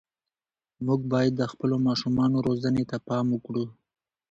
موږ باید د خپلو ماشومانو روزنې ته پام وکړو.